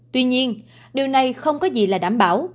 tuy nhiên điều này không có gì là đảm bảo